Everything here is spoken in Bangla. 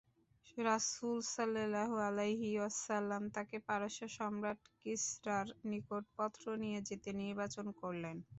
রাসূল সাল্লাল্লাহু আলাইহি ওয়াসাল্লাম তাঁকে পারস্য সম্রাট কিসরার নিকট পত্র নিয়ে যেতে নির্বাচন করলেন।